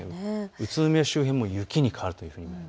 宇都宮周辺も雪に変わっていく。